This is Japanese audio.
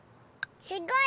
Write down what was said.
すごい！